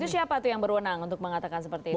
itu siapa tuh yang berwenang untuk mengatakan seperti itu